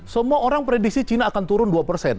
semua orang prediksi cina akan turun dua persen